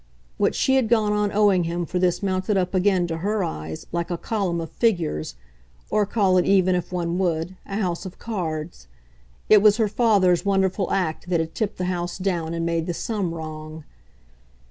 What she had gone on owing him for this mounted up again, to her eyes, like a column of figures or call it even, if one would, a house of cards; it was her father's wonderful act that had tipped the house down and made the sum wrong.